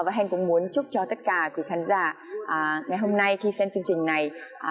và hân cũng muốn chúc cho tất cả quý khán giả ngày hôm nay khi xem chương trình này